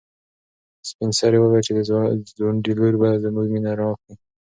سپین سرې وویل چې د ځونډي لور به زموږ مېنه رڼا کړي.